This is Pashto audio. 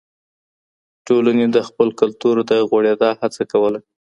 ټولني د خپل کلتور د غوړېدا هڅه کوله.